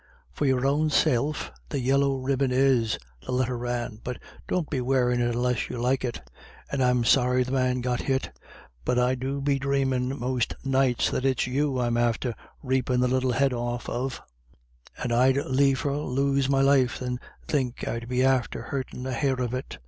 "For your own self the yella ribin is," the letter ran, "but don't be wearin' it unless you like it. And I'm sorry the man got hit; but I do be dhramin' most nights that it's you I'm after rapin' the little black head off of; and I'd liefer lose me life than think I'd be after hurtin' a hair of it.